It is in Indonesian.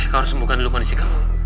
kau harus sembuhkan dulu kondisi kamu